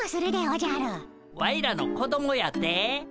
ワイらの子どもやて？